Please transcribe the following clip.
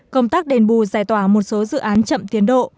công tác đền bù giải tỏa một số dự án chậm tiến độ